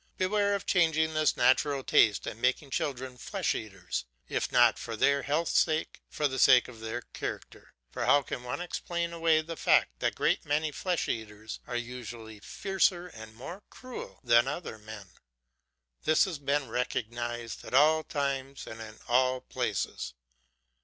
Beware of changing this natural taste and making children flesh eaters, if not for their health's sake, for the sake of their character; for how can one explain away the fact that great meat eaters are usually fiercer and more cruel than other men; this has been recognised at all times and in all places.